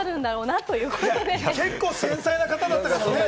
結構、繊細な方だったからね。